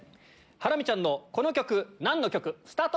「ハラミちゃんのこの曲何の曲⁉」スタート！